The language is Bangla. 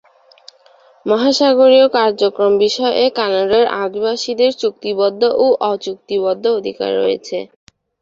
মহাসাগরীয় কার্যক্রম বিষয়ে কানাডার আদিবাসীদের চুক্তিবদ্ধ ও অ-চুক্তিবদ্ধ অধিকার রয়েছে।